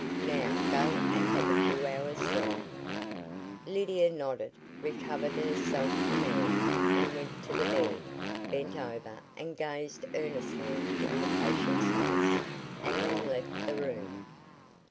"Now go and have a few hours' sleep." Lydia nodded, recovered her self command, and went to the bed, bent over and gazed earnestly in the patient's face, and then left the room.